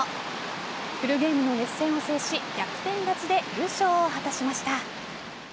フルゲームの熱戦を制し逆転勝ちで優勝を果たしました。